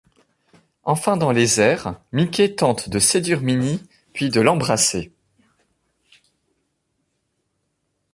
Enfin dans les airs, Mickey tente de séduire Minnie puis de l'embrasser.